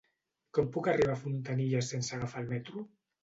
Com puc arribar a Fontanilles sense agafar el metro?